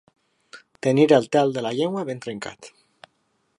Tenir el tel de la llengua ben trencat.